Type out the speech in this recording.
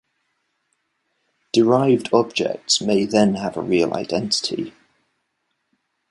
Derived objects may then have a real identity.